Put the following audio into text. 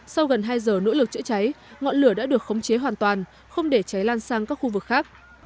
sau gần hai giờ nỗ lực chữa cháy ngọn lửa đã được khống chế hoàn toàn không để cháy lan sang các khu vực khác